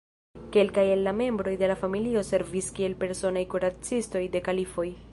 Kelkaj el la membroj de la familio servis kiel personaj kuracistoj de kalifoj.